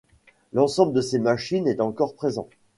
L'ensemble de ses machines est encore présent.